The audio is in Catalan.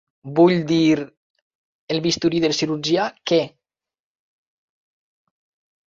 Vull dir, el bisturí del cirurgià, què?